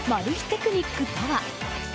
テクニックとは？